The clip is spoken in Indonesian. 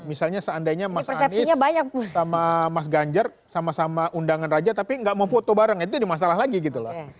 misalnya seandainya mas anies sama mas ganjar sama sama undangan raja tapi gak mau foto bareng itu jadi masalah lagi gitu loh